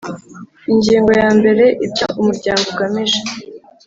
Ingingo ya mbere Ibyo Umuryango ugamije